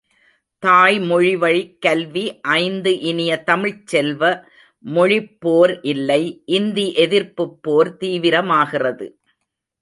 தாய்மொழிவழிக் கல்வி ஐந்து இனிய தமிழ்ச் செல்வ, மொழிப்போர் இல்லை, இந்தி எதிர்ப்புப்போர் தீவிரமாகிறது!